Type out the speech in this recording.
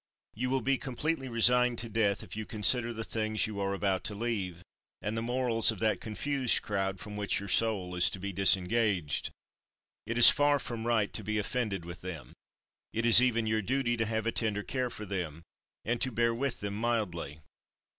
You will be completely resigned to death if you consider the things you are about to leave, and the morals of that confused crowd from which your soul is to be disengaged. It is far from right to be offended with them. It is even your duty to have a tender care for them, and to bear with them mildly.